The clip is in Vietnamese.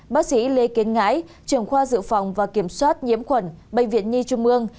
bác sĩ lê kiến ngãi trưởng khoa dự phòng và kiểm soát nhiễm khuẩn bệnh viện nhi trung ương